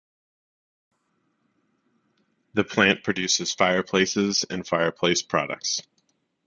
The plant produces fireplaces and fireplace products.